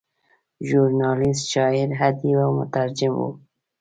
ژورنالیسټ، شاعر، ادیب او مترجم و.